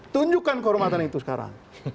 tunjukkan kehormatan itu sekarang